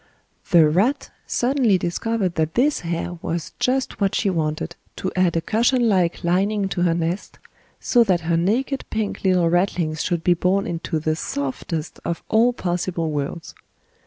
The rat suddenly discovered that this hair was just what she wanted to add a cushion like lining to her nest, so that her naked pink little ratlings should be born into the softest of all possible worlds.